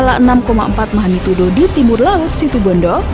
pasca musibah gempa berskala enam empat mahani tuduh di timur laut situ bondo